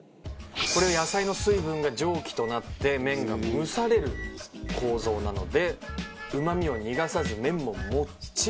これは野菜の水分が蒸気となって麺が蒸される構造なのでうまみを逃がさず麺ももっちり仕上がると。